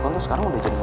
guys kasih message